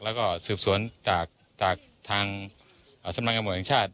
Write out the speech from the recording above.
แล้วก็สืบสวนจากทางสำรวงกระโมงแห่งชาติ